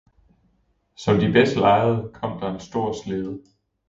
Som de bedst legede, kom der en stor slæde.